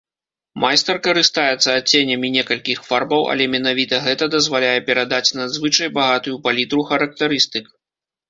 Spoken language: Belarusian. Майстар карыстаецца адценнямі некалькіх фарбаў, але менавіта гэта дазваляе перадаць надзвычай багатую палітру характарыстык.